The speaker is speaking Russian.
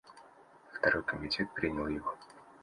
Второй комитет принял его.